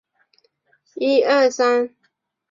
但是我要了解这些人作出决定的原因。